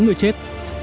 tám người chết